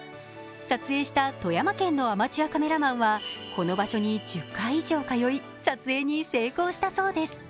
撮影した富山県のアマチュアカメラマンはこの場所に１０回以上通い撮影に成功したそうです。